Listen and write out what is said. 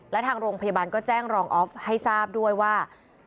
และทางโรงพยาบาลก็แจ้งรองออฟให้ทราบด้วยว่า